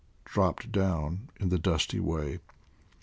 dropped down in the dusty way.